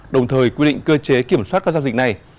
đồng thời quy định cơ chế kiểm soát các giao dịch này